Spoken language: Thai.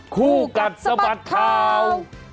คู่กัดสะบัดข่าว